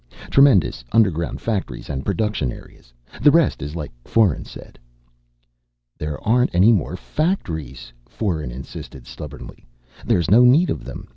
Tremendous underground factories and production areas. The rest is like Foeren said." "There aren't any more factories," Foeren insisted stubbornly. "There's no need of them.